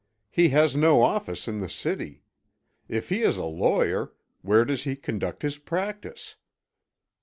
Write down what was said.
"He has no office in the city. If he is a lawyer, where does he conduct his practice?